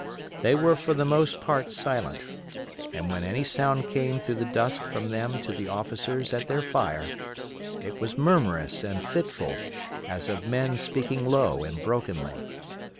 They were for the most part silent, and when any sound came through the dusk from them to the officers at their fire, it was murmurous and fitful as of men speaking low and brokenly.